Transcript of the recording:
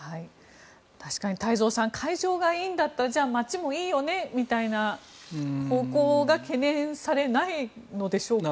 確かに太蔵さん会場がいいんだったらじゃあ街もいいよねみたいな方向が懸念されなかったのでしょうか。